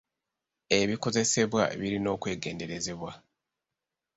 Ebikozesebwa birina okwegenderezebwa.